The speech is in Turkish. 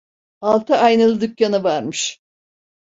Altı aynalı dükkanı varmış.